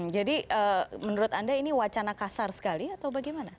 jadi menurut anda ini wacana kasar sekali atau bagaimana